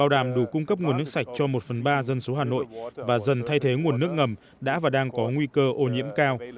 đảm cung cấp nguồn nước sạch cho một phần ba dân số hà nội và dần thay thế nguồn nước ngầm đã và đang có nguy cơ ô nhiễm cao